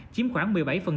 chiếm khoảng một mươi bảy